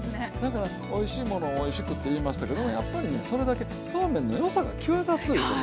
だからおいしいものをおいしくって言いましたけどもやっぱりねそれだけそうめんの良さが際立ついうこと。